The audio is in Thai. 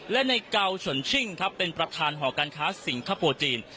และในเกาชนชิ่งครับเป็นประธานหอการค้าสิงคโปร์จีน